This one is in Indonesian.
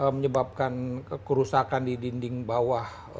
menyebabkan kerusakan di dinding bawah